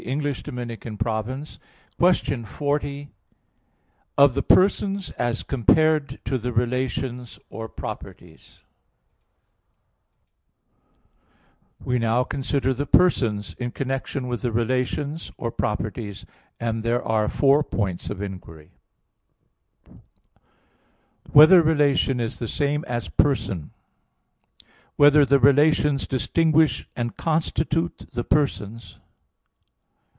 _______________________ QUESTION 40 OF THE PERSONS AS COMPARED TO THE RELATIONS OR PROPERTIES (In Four Articles) We now consider the persons in connection with the relations, or properties; and there are four points of inquiry: (1) Whether relation is the same as person? (2) Whether the relations distinguish and constitute the persons?